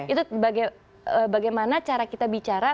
itu bagaimana cara kita bicara